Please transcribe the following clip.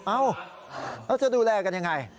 เอ้าแล้วจะดูแลกันยังไง